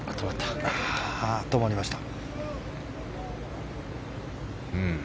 止まりました。